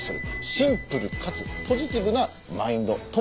シンプルかつポジティブなマインドとも言えるんですね。